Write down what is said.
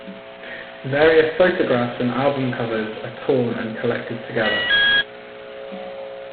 Various photographs and album covers are torn and collected together.